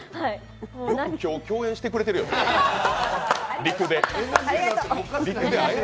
よく共演してくれてるよね、陸で。